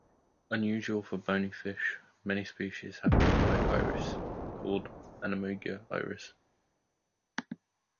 Unusual for bony fish, many species have a modified iris called an omega iris.